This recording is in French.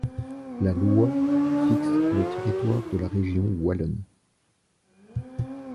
La loi fixe le territoire de la Région wallonne.